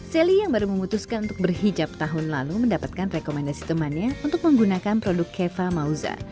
sally yang baru memutuskan untuk berhijab tahun lalu mendapatkan rekomendasi temannya untuk menggunakan produk keva mauza